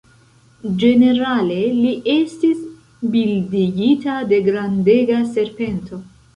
Ĝenerale li estis bildigita de grandega serpento.